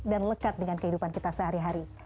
dan lekat dengan kehidupan kita sehari hari